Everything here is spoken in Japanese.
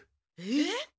えっ？